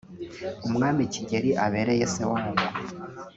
umwami Kigeli abereye se wabo